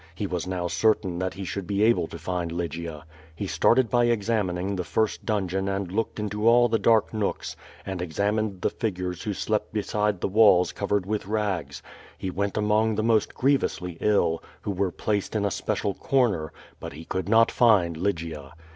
He was now certain that he should be able to find Lygia. He started by examining the first dungeon and looked into all the dark nooks, and exam ined the tiiTures who slept beside the walls covered with rags; he went among the most grievously ill, who were placed in a special corner; but he could not find Lygia.